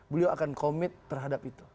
beliau akan komit terhadap itu